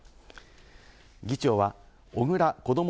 議長は小倉こども